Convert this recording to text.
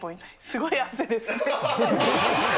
すごい汗ですね。